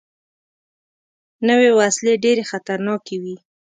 نوې وسلې ډېرې خطرناکې وي